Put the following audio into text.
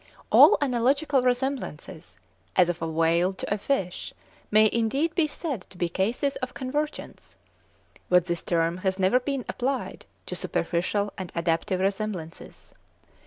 All analogical resemblances, as of a whale to a fish, may indeed be said to be cases of convergence; but this term has never been applied to superficial and adaptive resemblances.